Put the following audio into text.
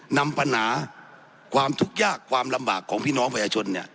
นำปัญหาความทุกข์ยากความลำบากของพี่น้องประชาชน